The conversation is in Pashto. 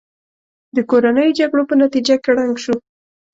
د کورنیو جګړو په نتیجه کې ړنګ شو.